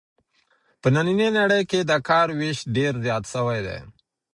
په نننۍ نړۍ کې د کار وېش ډېر زیات سوی دی.